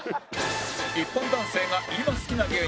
一般男性が今好きな芸人